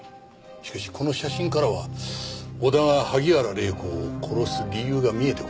しかしこの写真からは小田が萩原礼子を殺す理由が見えてこない。